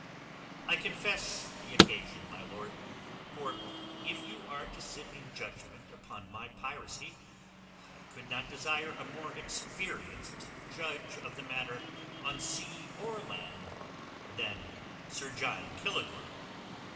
"I confess the occasion, my lord. For if you are to sit in judgment upon my piracy, I could not desire a more experienced judge of the matter on sea or land than Sir John Killigrew."